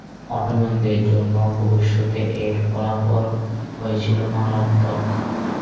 অটোমানদের জন্য ভবিষ্যতে এর ফলাফল হয়েছিল মারাত্মক।